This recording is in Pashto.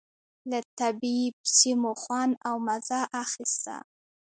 له طبعي سیمو خوند او مزه اخيسته.